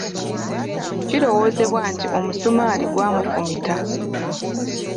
Kirowoozebwa nti omusumaali gwamufumita.